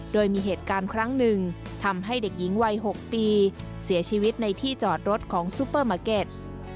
โดยมีเหตุการณ์ครั้งหนึ่งทำให้เด็กหญิงวัย๖ปีเสียชีวิตในที่จอดรถของซูเปอร์มาร์เก็ต